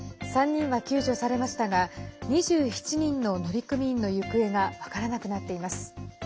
３人は救助されましたが２７人の乗組員の行方が分からなくなっています。